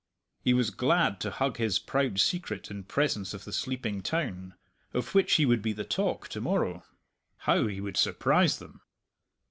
He was glad to hug his proud secret in presence of the sleeping town, of which he would be the talk to morrow. How he would surprise them!